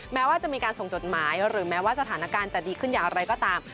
แม้ว่าจะมีการส่งจดหมายหรือแม้ว่าสถานการณ์จะดีขึ้นอย่างไรก็ตาม